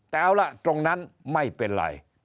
แต่เอาล่ะตรงนั้นไม่เป็นไร